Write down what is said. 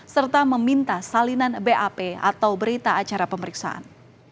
serta meminta salinan bap atau berita acara pemeriksaan